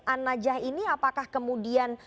an najah ini apakah kemudian